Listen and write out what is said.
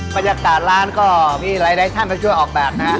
บรรยากาศร้านก็มีหลายท่านมาช่วยออกแบบนะฮะ